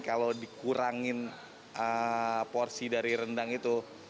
kalau dikurangin porsi dari rendang itu